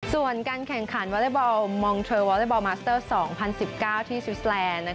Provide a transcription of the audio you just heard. ส่วนการแข่งขันวอเล็กบอลมองเทรลวอเล็กบอลมาสเตอร์๒๐๑๙ที่สวิสแลนด์